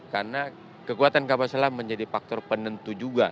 karena kekuatan kapal selam menjadi faktor penentu juga